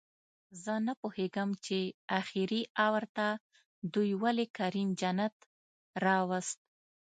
زه نپوهېږم چې اخري اوور ته دوئ ولې کریم جنت راووست